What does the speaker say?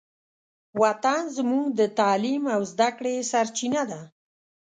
وطن زموږ د تعلیم او زدهکړې سرچینه ده.